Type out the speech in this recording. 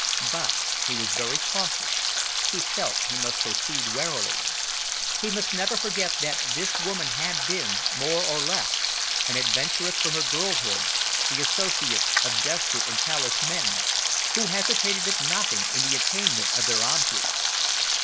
But he was very cautious; he felt he must proceed warily. He must never forget that this woman had been, more or less, an adventuress from her girlhood, the associate of desperate and callous men, who hesitated at nothing in the attainment of their objects.